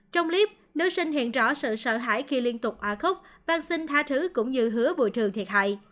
trong clip nữ sinh hiện rõ sự sợ hãi khi liên tục ả khúc vang sinh tha thứ cũng như hứa bùi thường thiệt hại